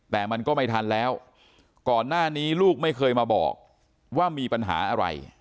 แต่มันก็ไม่ทันแล้วก่อนหน้านี้ลูกไม่เคยมาบอกว่ามีปัญหาอะไร